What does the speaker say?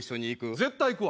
絶対行くわ。